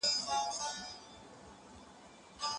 هر انسان د درناوي حق لري.